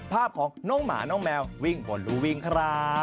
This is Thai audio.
ภาพของน้องหมาน้องแมววิ่งบนรูวิ่งครับ